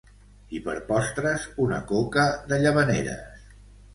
I per postres una coca de Llavaneres